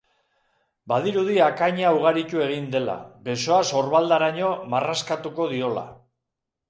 Badirudi akaina ugaritu egin dela, besoa sorbaldaraino marraskatuko diola.